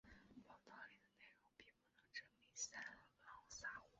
报道里的内容并不能证明桑兰撒谎。